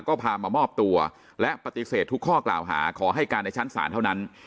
ก็พามามอบตัวและปฏิเสธทุกข้อกล่าวหาขอให้การในชั้นศาลเท่านั้น